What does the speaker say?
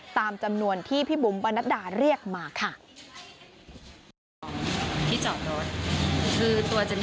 ตามจำนวนที่พี่บุ๋มปนัดดาเรียกมาค่ะ